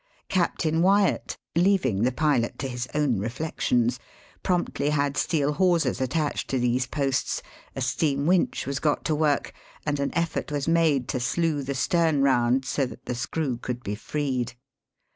Captain Wyatt, leaving the pilot to his own reflections, promptly had steel hawsers attached to these posts, the steam winch was got to work, and an efibrt was made to slew the stem round so that the screw could be freed.